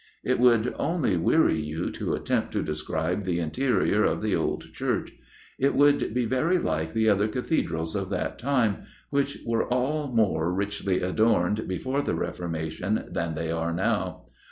It would only weary you to attempt to describe the interior of the old church. It would be very like the other Cathedrals of that time, which were all more richly adorned before the Reformation than they are now.